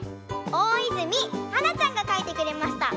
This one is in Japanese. おおいずみはなちゃんがかいてくれました。